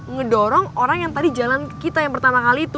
ngedorong orang yang tadi jalan kita yang pertama kali itu